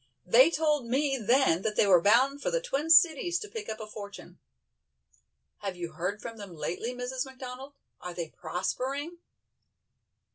They told me then that they were bound for the "Twin Cities" to pick up a fortune. Have you heard from them lately, Mrs. McDonald? Are they prospering?"